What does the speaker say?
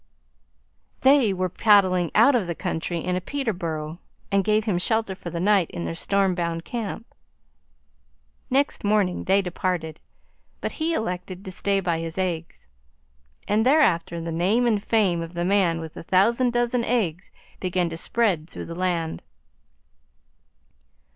They were paddling out of the country in a Peterborough, and gave him shelter for the night in their storm bound camp. Next morning they departed, but he elected to stay by his eggs. And thereafter the name and fame of the man with the thousand dozen eggs began to spread through the land.